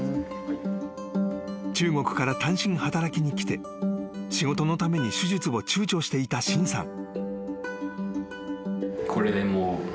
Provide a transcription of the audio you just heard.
［中国から単身働きに来て仕事のために手術をちゅうちょしていた申さん］